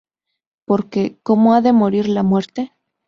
Porque, ¿cómo ha de morir la Muerte?